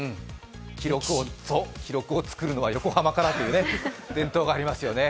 記録を作るのは横浜という伝統がありますよね。